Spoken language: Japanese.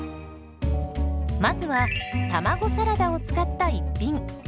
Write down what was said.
まずは卵サラダを使った一品。